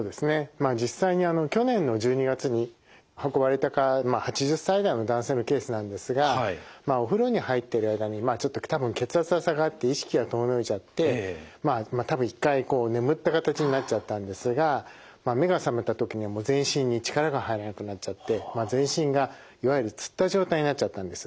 まあ実際に去年の１２月に運ばれた方まあ８０歳代の男性のケースなんですがお風呂に入ってる間にまあちょっと多分血圧が下がって意識が遠のいちゃってまあ多分一回眠った形になっちゃったんですが目が覚めた時には全身に力が入らなくなっちゃって全身がいわゆるつった状態になっちゃったんです。